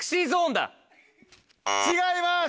違います。